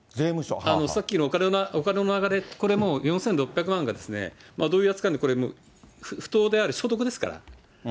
さっきのお金の流れ、これもう、４６００万がどういう扱いに、これ、不当であれ、所得ですから。